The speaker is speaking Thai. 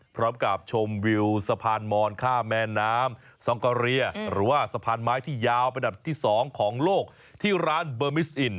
พร้อมกับชมวิวสะพานมอนข้ามแม่น้ำซองกะเรียหรือว่าสะพานไม้ที่ยาวเป็นดับที่๒ของโลกที่ร้านเบอร์มิสอิน